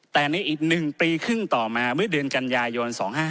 แต่ในอีก๑ปีครึ่งต่อมาเมื่อเดือนกันยายน๒๕๕๙